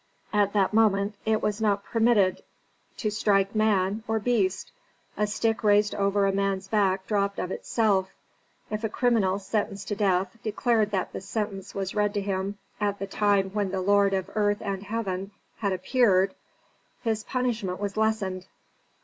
At that moment it was not permitted to strike man, or beast: a stick raised over a man's back dropped of itself. If a criminal sentenced to death, declared that the sentence was read to him at the time when the lord of earth and heaven had appeared, his punishment was lessened.